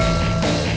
aku mau ngapain